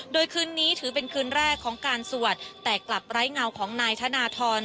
โดยคืนนี้ถือเป็นคืนแรกของการสวดแต่กลับไร้เงาของนายธนทร